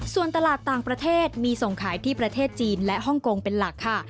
ส่วนตลาดต่างประเทศมีส่งขายที่ประเทศจีนและฮ่องกงเป็นหลักค่ะ